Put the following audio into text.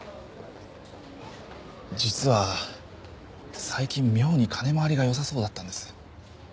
実は最近妙に金回りが良さそうだったんです。